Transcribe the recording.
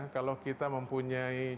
kalau kita mempunyai kompetensi